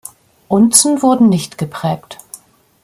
Unzen wurden nicht geprägt.